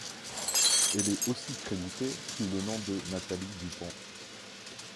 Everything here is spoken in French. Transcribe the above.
Elle est aussi créditée sous le nom de Natalie Dupont.